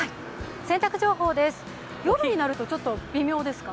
洗濯情報です、夜になるとちょっと微妙ですか。